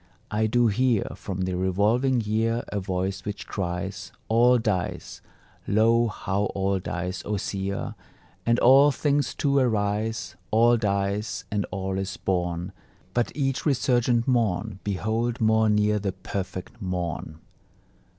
I do hear From the revolving year A voice which cries: "All dies; Lo, how all dies! O seer, And all things too arise: All dies, and all is born; But each resurgent morn, behold, more near the Perfect Morn."